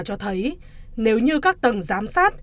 cho thấy nếu như các tầng giám sát